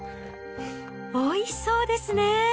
おいしそうですね。